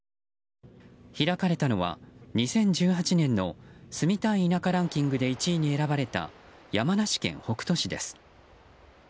開かれたのは、２０１８年の住みたい田舎ランキングで１位に選ばれた山梨県北杜市です。